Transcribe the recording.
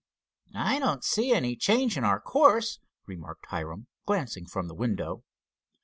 "I don't see any change in our course," remarked Hiram, glancing from the window.